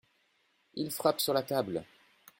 Il frappe sur la table.